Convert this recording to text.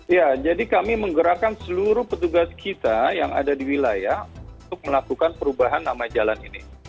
ya jadi kami menggerakkan seluruh petugas kita yang ada di wilayah untuk melakukan perubahan nama jalan ini